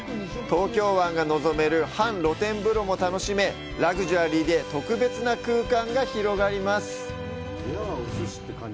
東京湾が望める半露天風呂も楽しめ、ラグジュアリーで特別な空間が広がります。